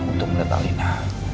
untuk menetap alina